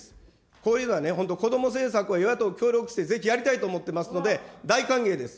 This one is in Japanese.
こういうのはね、本当、こども政策は与野党協力して、ぜひやりたいと思ってますので、大歓迎です。